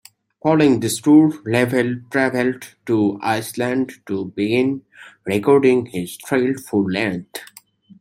Following this tour, LaValle traveled to Iceland to begin recording his third full length.